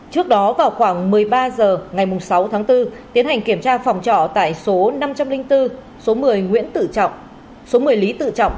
trước đó vào khoảng một mươi ba h ngày sáu tháng bốn tiến hành kiểm tra phòng trọ tại số năm trăm linh bốn số một mươi lý tự trọng